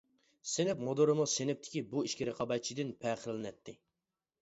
سىنىپ مۇدىرىمۇ سىنىپىدىكى بۇ ئىككى رىقابەتچىدىن پەخىرلىنەتتى.